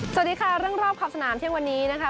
สวัสดีค่ะเรื่องรอบขอบสนามเที่ยงวันนี้นะคะ